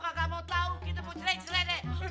gua gak mau tau kita pun cerai cerai deh